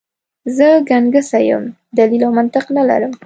زه ګنګسه یم، دلیل او منطق نه لرم.